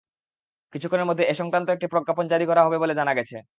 কিছুক্ষণের মধ্যে এ-সংক্রান্ত একটি প্রজ্ঞাপন জারি করা হবে বলে জানা গেছে।